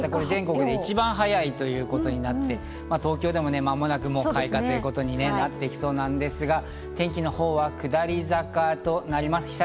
全国で一番早いということになって、東京でも間もなく開花ということになっていきそうなんですが、天気のほうは下り坂となります。